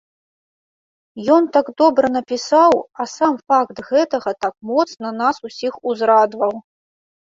Ён так добра напісаў, а сам факт гэтага так моцна нас усіх узрадаваў!